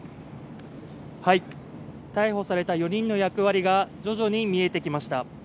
逮捕された４人の役割が徐々に見えてきました